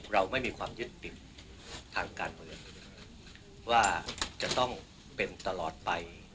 เราไม่มีความยึดติดทางการเมืองว่าจะต้องเป็นตลอดไป